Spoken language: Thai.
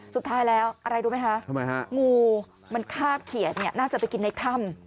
สุดท้ายแล้วอะไรรู้ไหมคะงูมันคาบเขียดน่าจะไปกินในถ้ำ